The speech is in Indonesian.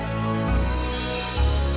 lo balik lagi kesini ya